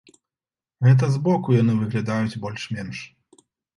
Гэта збоку яны выглядаюць больш-менш.